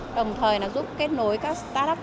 đồng thời là giúp kết nối các startup